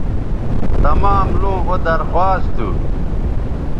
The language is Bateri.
تمام لوں او درخواست تھو